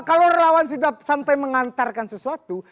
kalau relawan sudah sampai mengantarkan sesuatu